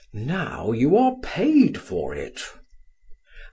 Now you are paid for it!"